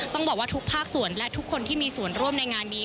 ต้องบอกว่าทุกภาคส่วนและทุกคนที่มีส่วนร่วมในงานนี้